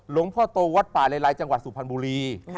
หลวงพ่อโตวัดป่าเลไลจังหวัดสุพรรณบุรี